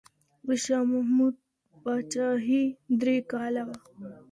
د شاه محمود پاچاهي درې کاله وه.